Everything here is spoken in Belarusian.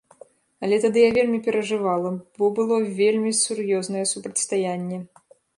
Але тады я вельмі перажывала, бо было вельмі сур'ёзнае супрацьстаянне.